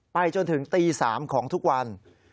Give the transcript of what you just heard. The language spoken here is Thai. จนถึงตี๓ของทุกวัน